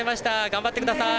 頑張ってください。